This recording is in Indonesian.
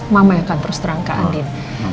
mama yang akan terus terang ke andin